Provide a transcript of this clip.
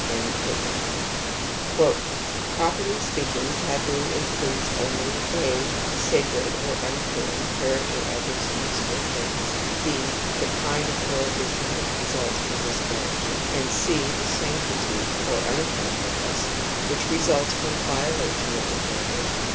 s y (< y 82 TOTEM AND TABOO Properly speaking taboo includes only (a) the sacred (or unclean) character of persons or things, (b) the kind of prohibition which results from this character, and (c) the sanctity (or un cleanliness) which results from a violation of the prohibition.